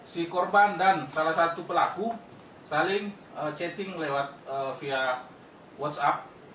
si korban dan salah satu pelaku saling chatting lewat via whatsapp